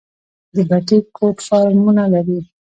د بټي کوټ فارمونه لري